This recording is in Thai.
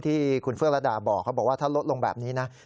ที่คุณเฟื้องระดาบอกเขาบอกว่าถ้าลดลงแบบนี้นะ